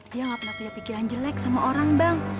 dia gak pernah punya pikiran jelek sama orang bang